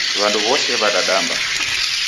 W'andu w'ose w'adadamba